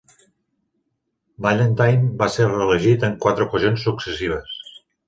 Ballantyne va ser reelegit en quatre ocasions successives.